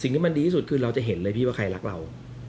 ที่มันดีที่สุดคือเราจะเห็นเลยพี่ว่าใครรักเรา